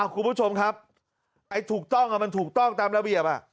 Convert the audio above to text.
คุณผู้ชมครับไอ้ถูกต้องมันถูกต้องตามระเบียบ